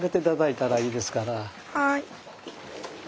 はい。